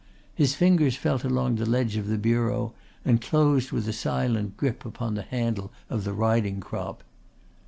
His fingers felt along the ledge of the bureau and closed with a silent grip upon the handle of the riding crop.